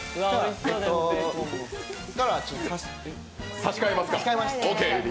差し替えます。